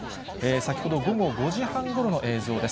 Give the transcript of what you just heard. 先ほど午後５時半ごろの映像です。